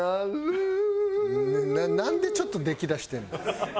なんでちょっとできだしてんねん！